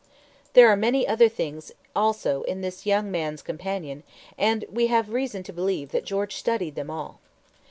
There are many other things also in this Young Man's Companion, and we have reason to believe that George studied them all.